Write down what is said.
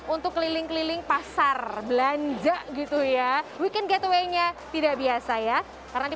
untuk keliling keliling pasar belanja gitu ya weekend getaway nya tidak biasa ya karena di